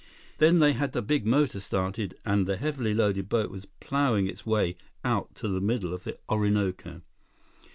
Then they had the big motor started, and the heavily loaded boat was plowing its way out to the middle of the Orinoco.